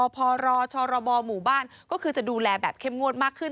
พรชรบหมู่บ้านก็คือจะดูแลแบบเข้มงวดมากขึ้น